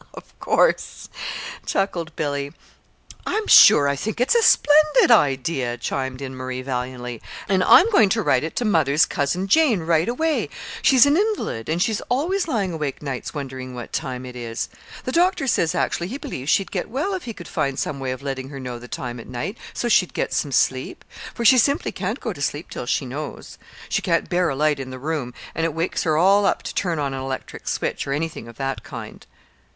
"Of course," chuckled Billy. "I'm sure I think it's a splendid idea," chimed in Marie, valiantly; "and I'm going to write it to mother's Cousin Jane right away. She's an invalid, and she's always lying awake nights wondering what time it is. The doctor says actually he believes she'd get well if he could find some way of letting her know the time at night, so she'd get some sleep; for she simply can't go to sleep till she knows. She can't bear a light in the room, and it wakes her all up to turn an electric switch, or anything of that kind."